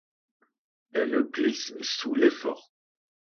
Elle glisse sous l’effort.